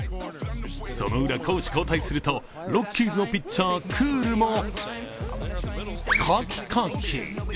そのウラ、攻守交代するとロッキーズのピッチャー・クールもかきかき。